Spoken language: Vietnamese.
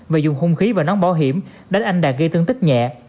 và dùng hung khí và nón bảo hiểm đánh anh đạt gây thương tích nhẹ